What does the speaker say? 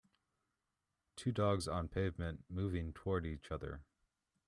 Two dogs on pavement moving toward each other.